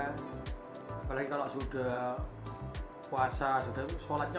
apalagi kalau sudah puasa sudah sholatnya